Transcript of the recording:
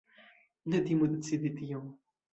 Ne timu decidi tion!